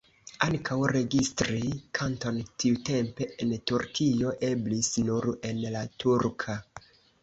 Ankaŭ registri kanton tiutempe en Turkio eblis nur en la turka.